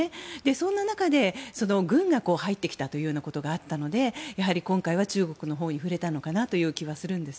そんな中で軍が入ってきたということもあったので今回は中国のほうに振れたのかなという気がするんです。